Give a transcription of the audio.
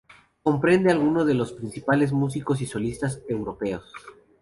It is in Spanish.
Comprende algunos de los principales músicos y solistas europeos.